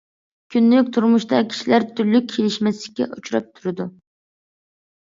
كۈندىلىك تۇرمۇشتا كىشىلەر تۈرلۈك كېلىشمەسلىككە ئۇچراپ تۇرىدۇ.